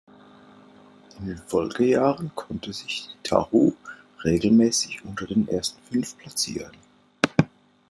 In den Folgejahren konnte sich die "Taru" regelmäßig unter den ersten Fünf platzieren.